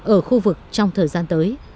ở khu vực trong thời gian tới